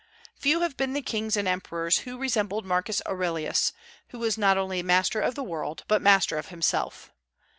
Few have been the kings and emperors who resembled Marcus Aurelius, who was not only master of the world, but master of himself.